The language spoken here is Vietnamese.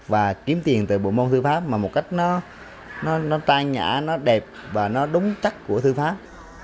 và kiếm tiền từ bộ môn thư pháp mà một cách nó trai nhã nó đẹp và nó đúng chắc của thư pháp